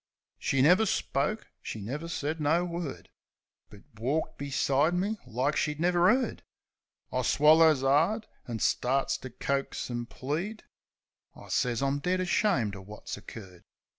She never spoke; she never said no word; But walked beside me like she never 'eard. I swallers 'ard, an' starts to coax an' plead, I sez I'm dead ashamed o' wot's occurred.